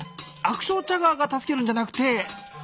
アクションチャガーが助けるんじゃなくて。